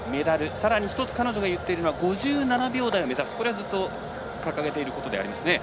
さらに１つ彼女が言っているのは５７秒台を目指すこれはずっと掲げていることですね。